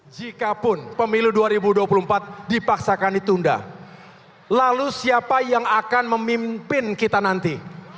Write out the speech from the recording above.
jikapun pemilu dua ribu dua puluh empat dipaksakan ditunda lalu siapa yang akan memimpin kita nanti